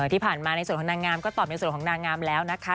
ที่ผ่านมาในส่วนของนางงามก็ตอบในส่วนของนางงามแล้วนะคะ